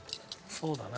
そうだね。